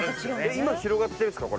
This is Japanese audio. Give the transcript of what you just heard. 今広がってるんですか？